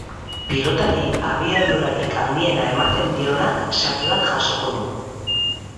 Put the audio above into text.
Pilotari abiadurarik handiena ematen dionak sari bat jasoko du.